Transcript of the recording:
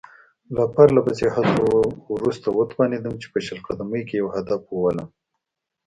له پرله پسې هڅو وروسته وتوانېدم چې په شل قدمۍ کې یو هدف وولم.